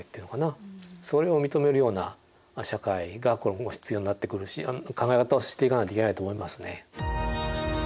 それを認めるような社会が今後必要になってくるし考え方をしていかなければいけないと思いますね。